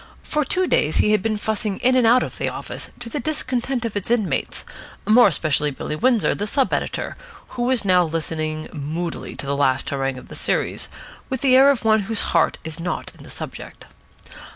For two days he had been fussing in and out of the office, to the discontent of its inmates, more especially Billy Windsor, the sub editor, who was now listening moodily to the last harangue of the series, with the air of one whose heart is not in the subject.